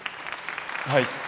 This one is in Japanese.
はい。